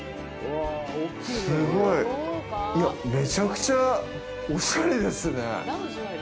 すごい。いや、めちゃくちゃオシャレですね！